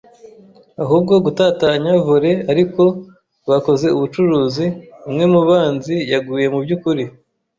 ahubwo gutatanya volley, ariko bakoze ubucuruzi: umwe mubanzi yaguye mubyukuri,